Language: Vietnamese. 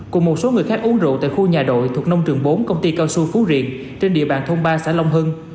cùng một số người khác uống rượu tại khu nhà đội thuộc nông trường bốn công ty cao su phú riêng trên địa bàn thôn ba xã long hưng